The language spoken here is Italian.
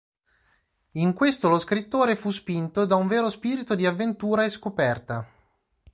In questo lo scrittore fu spinto da un vero spirito di avventura e scoperta.